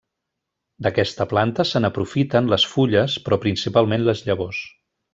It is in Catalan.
D'aquesta planta se n'aprofiten les fulles però principalment les llavors.